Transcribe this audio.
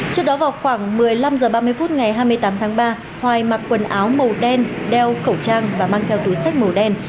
trước đó vào khoảng một mươi năm h ba mươi phút ngày hai mươi tám tháng ba hoài mặc quần áo màu đen đeo khẩu trang và mang theo túi sách màu đen